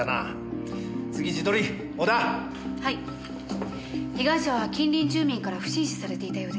被害者は近隣住民から不審視されていたようです。